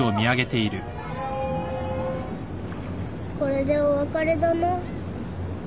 これでお別れだな。